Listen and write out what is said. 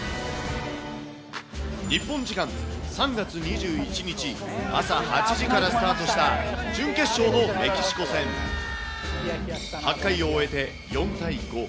日本時間３月２１日朝８時からスタートした準決勝のメキシコ戦。８回を終えて４対５。